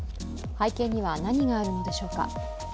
背景には何があるのでしょうか。